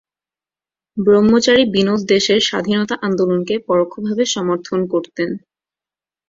ব্রহ্মচারী বিনোদ দেশের স্বাধীনতা আন্দোলনকে পরোক্ষ ভাবে সমর্থন করতেন।